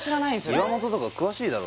岩本とか詳しいだろ